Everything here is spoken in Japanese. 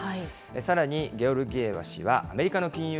さらに、ゲオルギエワ氏はアメリカの金融